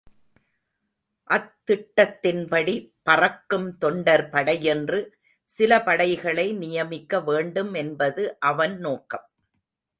அத்திட்டத்தின்படி பறக்கும் தொண்டர் படை யென்று சில படைகளை நியமிக்க வேண்டும் என்பது அவன் நோக்கம்.